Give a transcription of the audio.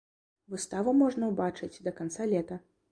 Выставу можна ўбачыць да канца лета.